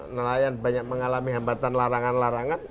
nelayan banyak mengalami hambatan larangan larangan